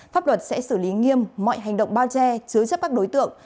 pháp luật sẽ xử lý nghiêm mọi hành động bao che chứa chấp các đối tượng